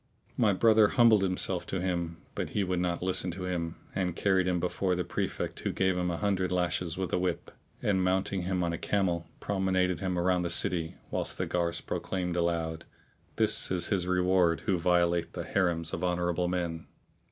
My brother humbled himself to him; but he would not listen to him and carried him before the Prefect who gave him an hundred lashes with a whip and, mounting him on a camel, promenaded him round about the city, whilst the guards proclaimed aloud, "This is his reward who violateth the Harims of honourable men!"